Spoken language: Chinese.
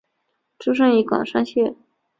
出身于冈山县。